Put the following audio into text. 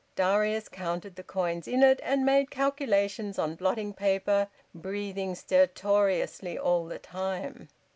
Darius counted the coins in it and made calculations on blotting paper, breathing stertorously all the time.